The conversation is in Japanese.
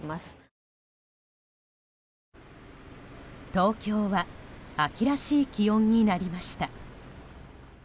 東京は秋らしい気温になりました。